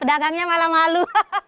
pedagangnya malah malu